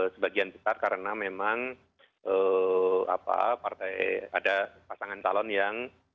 sebagian besar karena memang ada pasangan calon yang